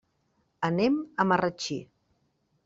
Anem a Marratxí.